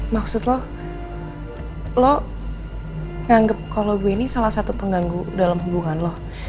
maksud lo lo nganggep kalo gue ini salah satu pengganggu dalam hubungan lo